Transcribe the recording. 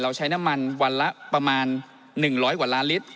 เราใช้น้ำมันวันละประมาณยนต์อย่าง๑๐๐กว่าร้านลิตร